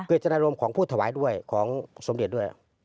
เจตนารมณ์ของผู้ถวายด้วยของสมเด็จด้วย